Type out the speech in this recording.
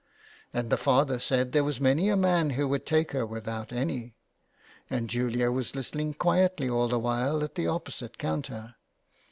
* And the father said there was many a man who would take her without any, and Julia was listening quietly all the while at the opposite counter.